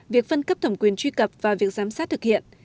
việc phân cấp thẩm quyền truy cập và việc giám sát thực hiện